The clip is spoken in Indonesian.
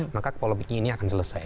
maka polemiknya ini akan selesai